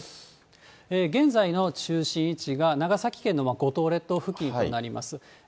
現在の中心位置が、長崎県の五島列島付近となります。